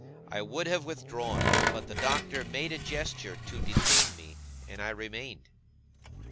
I would have withdrawn, but the Doctor made a gesture to detain me, and I remained.